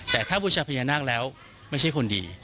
แต่ถ้าบูชาพญานาคแล้วไม่ใช่คนดี